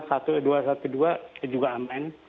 itu juga aman